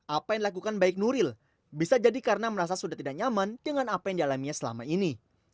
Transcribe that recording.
apa yang dilakukan baik nuril bisa jadi karena merasa sudah tidak nyaman dengan apa yang dialaminya selama ini